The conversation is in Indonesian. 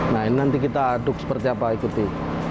nah ini nanti kita aduk seperti apa ikuti